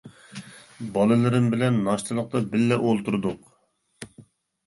بالىلىرىم بىلەن ناشتىلىققا بىللە ئولتۇردۇق.